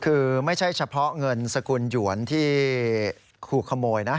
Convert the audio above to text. คือไม่ใช่เฉพาะเงินสกุลหยวนที่ขู่ขโมยนะ